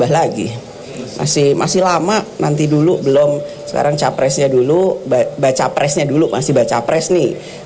masih sepuluh bahkan bisa nambah lagi masih lama nanti dulu belum sekarang capresnya dulu bacawa pressnya dulu masih bacawa press nih